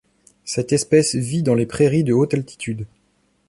Cette espèce vit dans les prairies de haute altitude.